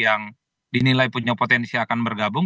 yang dinilai punya potensi akan bergabung